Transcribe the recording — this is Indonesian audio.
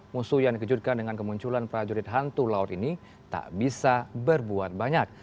musuh yang dikejutkan dengan kemunculan prajurit hantu laut ini tak bisa berbuat banyak